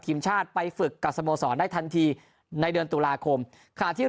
ทีมชาติไปฝึกกับสโมสรได้ทันทีในเดือนตุลาคมขณะที่